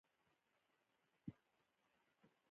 مېوې د افغانستان د سیلګرۍ د صنعت یوه برخه ده.